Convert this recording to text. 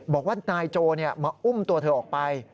บอกว่านายโจมาอุ้มตัวเธอออกไป